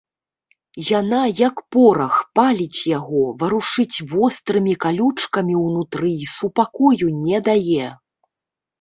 Яна, як порах, паліць яго, варушыць вострымі калючкамі ўнутры і супакою не дае.